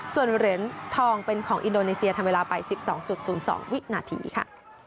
ส่วนเหรียญทองเป็นของอินโดนีเซียทำเวลาไป๑๒๐๒วินาทีค่ะ